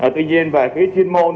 tuy nhiên về chuyên môn